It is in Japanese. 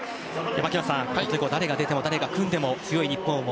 槙野さん誰が出ても誰が組んでも強い日本を。